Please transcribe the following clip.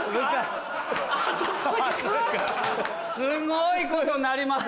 ・すごいことなります。